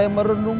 hireng dengan soul